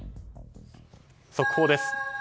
速報です。